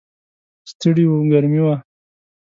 ستړي و، ګرمي وه.